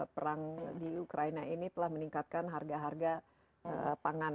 perang di ukraina ini telah meningkatkan harga harga pangan